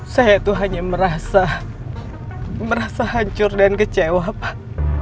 saya tuh hanya merasa hancur dan kecewa pak